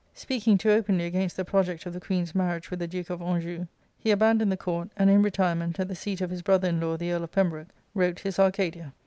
Speaking too openly against the project of the Queen's marriage with the Duke of Anjou, he aban doned the court, and in retirement, at the seat of his brotherrin law the Earl of Pembroke, wrote his "Ar cadia."